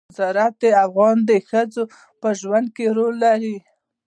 زراعت د افغان ښځو په ژوند کې رول لري.